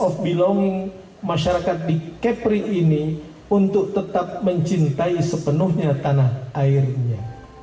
of belonging masyarakat di kepri ini untuk tetap mencintai sepenuhnya tanah airnya